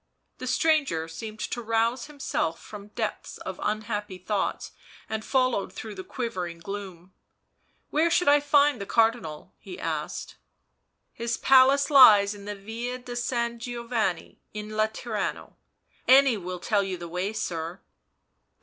The stranger seemed to rouse himself from depths of unhappy thoughts, and followed through the quivering gloom. " Where should I find the Car dinal 1" he asked. " His palace lies in the Yia di San Giovanni in Laterano, any will tell you the way, sir."